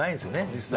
実際。